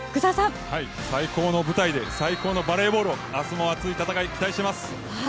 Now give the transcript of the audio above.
最高の舞台で最高のバレーボールを明日も熱い戦い期待しています。